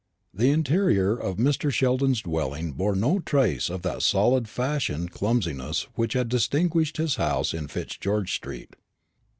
The interior of Mr. Sheldon's dwelling bore no trace of that solid old fashioned clumsiness which had distinguished his house in Fitzgeorge street.